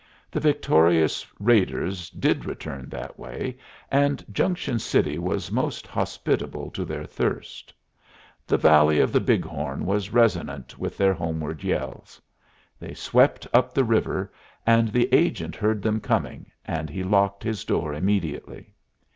The victorious raiders did return that way, and Junction City was most hospitable to their thirst. The valley of the Big Horn was resonant with their homeward yells. They swept up the river, and the agent heard them coming, and he locked his door immediately.